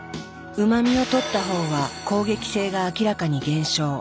うま味をとった方は攻撃性が明らかに減少。